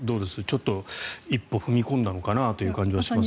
ちょっと一歩踏み込んだのかなという感じがしますが。